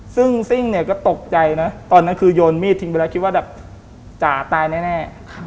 ซึ่งซิ่งเนี่ยก็ตกใจนะตอนนั้นคือโยนมีดทิ้งไปแล้วคิดว่าแบบจ๋าตายแน่